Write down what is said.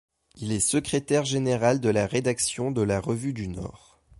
Il est secrétaire général de la rédaction de la Revue du Nord.